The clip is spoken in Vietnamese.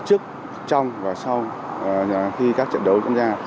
trước trong và sau khi các trận đấu diễn ra